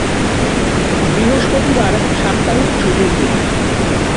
বৃহস্পতিবার সাপ্তাহিক ছুটির দিন।